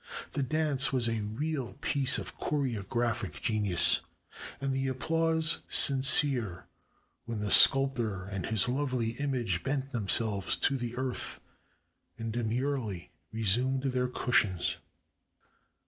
The dance was a real piece of choregraphic genius, and the applause sincere when the sculptor and his lovely image bent themselves to the earth, and demurely re sumed their cushions.